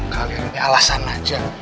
kalian ada alasan aja